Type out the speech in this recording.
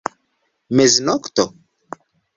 Meznokto?